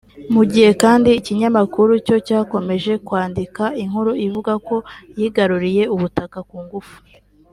mu gihe kandi ikinyamakuru cyo cyakomeje kwandika inkuru ivuga ko yigaruriye ubutaka ku ngufu